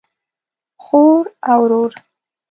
خور او ورور